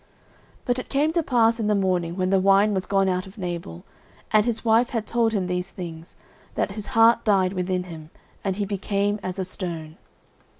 09:025:037 But it came to pass in the morning, when the wine was gone out of Nabal, and his wife had told him these things, that his heart died within him, and he became as a stone.